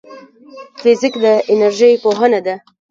فزیک د انرژۍ پوهنه ده